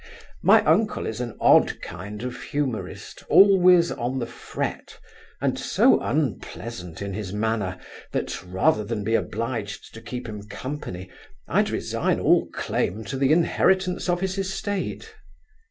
My uncle is an odd kind of humorist, always on the fret, and so unpleasant in his manner, that rather than be obliged to keep him company, I'd resign all claim to the inheritance of his estate.